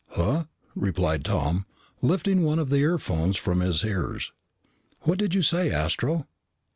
"Huh?" replied Tom, lifting one of the earphones from his ears. "What did you say, Astro?"